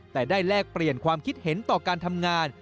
แต่ได้แลกเปลี่ยนความคิดเห็นต่อการทำงาน